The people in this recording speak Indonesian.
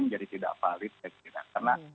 menjadi tidak valid karena